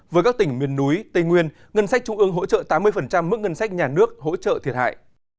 với các tỉnh miền núi tây nguyên ngân sách trung ương hỗ trợ tám mươi mức ngân sách nhà nước hỗ trợ thiệt hại